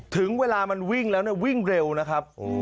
ถึงเวลามันวิ่งแล้ววิ่งเร็วนะครับ